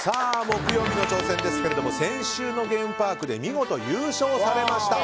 木曜日の挑戦ですけれども先週のゲームパークで見事優勝されました。